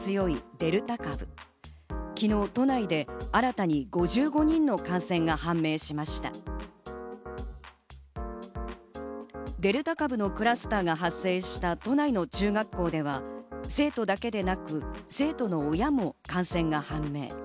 デルタ株のクラスターが発生した都内の中学校では生徒だけでなく、生徒の親も感染が判明。